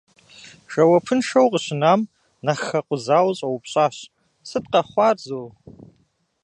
Жэуапыншэу къыщынэм, нэхъ хэкъузауэ щӀэупщӀащ: «Сыт къэхъуар зо?».